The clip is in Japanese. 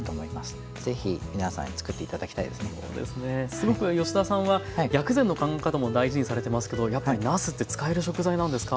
すごく吉田さんは薬膳の考え方も大事にされてますけどやっぱりなすって使える食材なんですか？